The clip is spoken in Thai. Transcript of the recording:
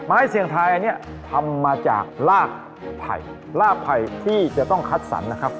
เสี่ยงทายอันนี้ทำมาจากลากไผ่ลากไผ่ที่จะต้องคัดสรรนะครับ